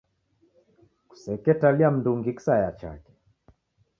Kuseketalia mndungi kisaya chake.